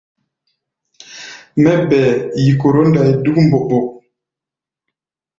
Mɛ́ bɛɛ yikoré-ndai dúk mboɓok.